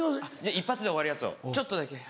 一発で終わるやつをちょっとだけ。